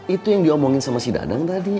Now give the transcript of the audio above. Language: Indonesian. itu yang diomongin sama si dadang tadi